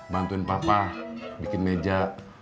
bantuin papa bikin meja